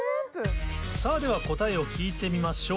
では答えを聞いてみましょう。